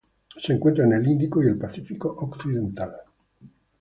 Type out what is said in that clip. Se encuentra en el Índico y el Pacífico occidental.